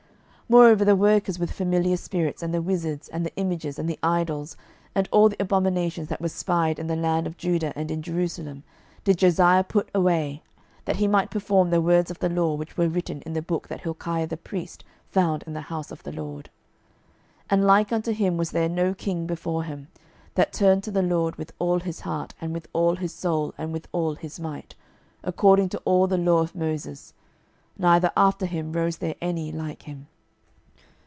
12:023:024 Moreover the workers with familiar spirits, and the wizards, and the images, and the idols, and all the abominations that were spied in the land of Judah and in Jerusalem, did Josiah put away, that he might perform the words of the law which were written in the book that Hilkiah the priest found in the house of the LORD. 12:023:025 And like unto him was there no king before him, that turned to the LORD with all his heart, and with all his soul, and with all his might, according to all the law of Moses; neither after him arose there any like him.